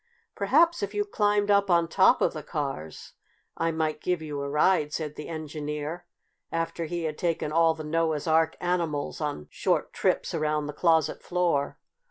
"Perhaps if you climbed up on top of the cars I might give you a ride," said the Engineer after he had taken all the Noah's Ark animals on short trips around the closet floor.